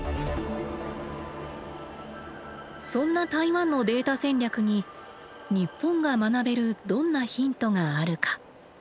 そんな台湾のデータ戦略に日本が学べるどんなヒントがあるか？